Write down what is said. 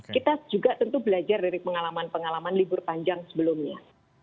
kita juga tentu belajar dari pengalaman pengalaman libur panjang sebelumnya